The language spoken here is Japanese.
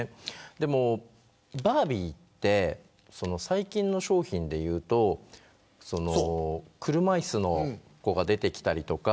でも、バービーって最近の商品でいうと車いすの子が出てきたりとか。